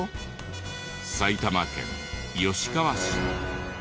埼玉県吉川市。